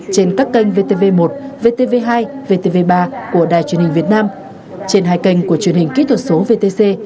trên các kênh vtv một vtv hai vtv ba của đài truyền hình việt nam trên hai kênh của truyền hình kỹ thuật số vtc